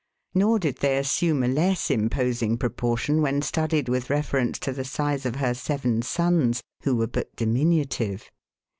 Nor did they assume a less imposing proportion, when studied with reference to the size of her seven sons, who were but diminutive.